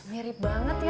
mirip banget ya